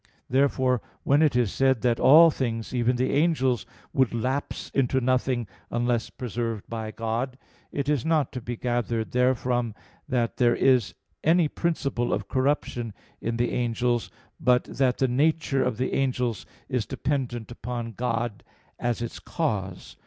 Therefore, when it is said that all things, even the angels, would lapse into nothing, unless preserved by God, it is not to be gathered therefrom that there is any principle of corruption in the angels; but that the nature of the angels is dependent upon God as its cause.